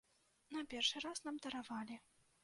На першы раз нам даравалі.